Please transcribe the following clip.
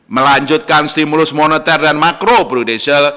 melanjutkan stimulus moneter dan makro prudensial